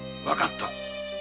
わかった。